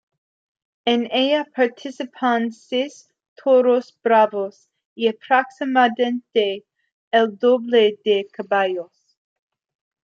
En ella participan seis toros bravos y aproximadamente el doble de caballos.